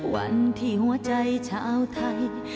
วันที่หัวใจชาวไทย